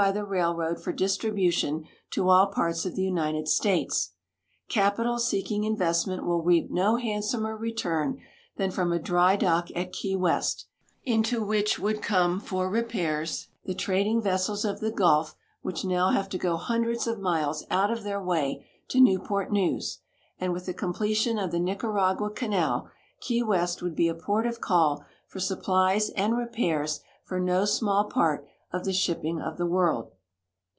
^ railroad for distribution to all parts of the United States. Capital seek ing investment will reap no handsomer return than from a dry dock at Key West, into which would come for repairs the trad ing vessels of the gulf which now have to go hundreds of miles out of their way to Newport News, and with the completion of the Nicaragua canal Key West would be a port of call for sup plies and repairs for no small part of the shipjnng of the Avorld.